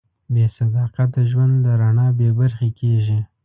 بېصداقته ژوند له رڼا بېبرخې کېږي.